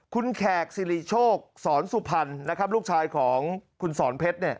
คุณแขกสิริโชคสอนสุพรรณนะครับลูกชายของคุณสอนเพชร